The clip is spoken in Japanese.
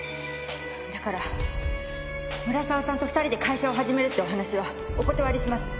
だから村沢さんと２人で会社を始めるってお話はお断りします。